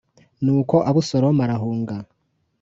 Nuko Abusalomu arahunga.